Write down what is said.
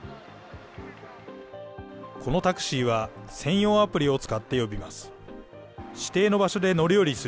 このタクシーは、専用アプリを使って呼びます。